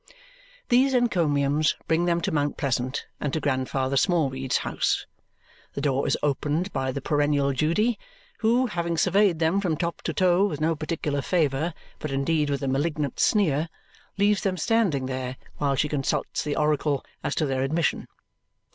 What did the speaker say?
These encomiums bring them to Mount Pleasant and to Grandfather Smallweed's house. The door is opened by the perennial Judy, who, having surveyed them from top to toe with no particular favour, but indeed with a malignant sneer, leaves them standing there while she consults the oracle as to their admission.